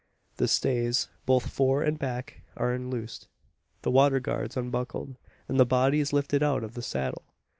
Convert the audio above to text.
The stays, both fore and back, are unloosed; the water guards unbuckled; and the body is lifted out of the saddle.